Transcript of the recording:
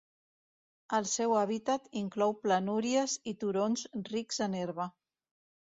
El seu hàbitat inclou planúries i turons rics en herba.